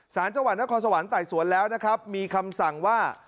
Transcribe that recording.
สารจังหวัดนครสวรรค์ไต่สวนแล้วนะครับมีคำสั่งว่า